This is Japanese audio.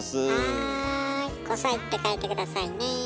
「５さい」って書いて下さいね。